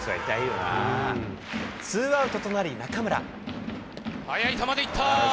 ツーアウトとなり中村。